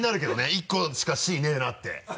１個しか「Ｃ」ないなって。